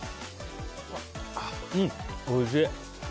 うん、おいしい！